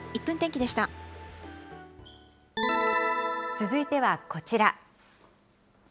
続いてはこちら。